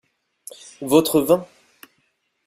Votre vin.